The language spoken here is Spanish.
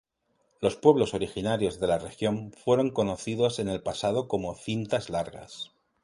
Los pueblos originarios de la región fueron conocidos en el pasado como "cintas largas".